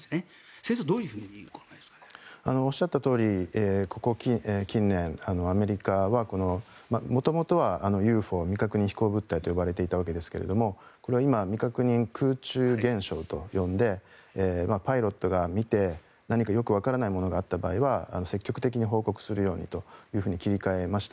先生、どういうふうにご覧になってますか。おっしゃったとおりここ近年アメリカは元々はＵＦＯ・未確認飛行物体と呼ばれていたものですがこれは今未確認空中現象と呼んでパイロットが見て何かよくわからないものがあった場合は積極的に報告するようにと切り替えました。